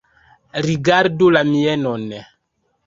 Rigardu la mienon!